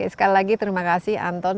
sekali lagi terima kasih anton